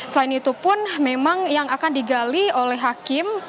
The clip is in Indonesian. selain itu pun memang yang akan digali oleh hakim